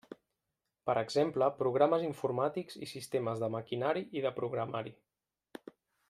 Per exemple, programes informàtics i sistemes de maquinari i de programari.